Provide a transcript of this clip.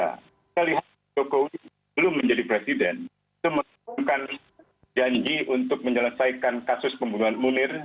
kita lihat jokowi belum menjadi presiden itu menunjukkan janji untuk menyelesaikan kasus pembunuhan munir